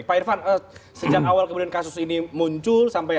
pak irfan sejak awal kemudian kasus ini muncul